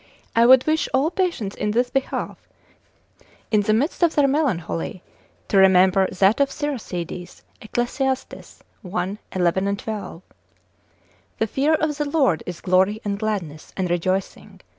I would wish all patients in this behalf, in the midst of their melancholy, to remember that of Siracides, Ecc. i. 11. and 12. The fear of the Lord is glory and gladness, and rejoicing.